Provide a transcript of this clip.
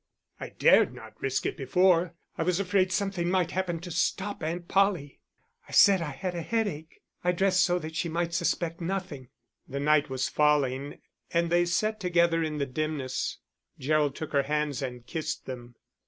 "I dared not risk it before. I was afraid something might happen to stop Aunt Polly." "I said I had a headache. I dressed so that she might suspect nothing." The night was falling and they sat together in the dimness. Gerald took her hands and kissed them.